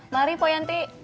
mari pak yanti